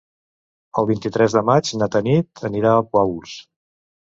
El vint-i-tres de maig na Tanit anirà a Paüls.